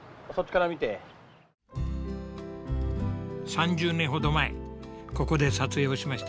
３０年ほど前ここで撮影をしました。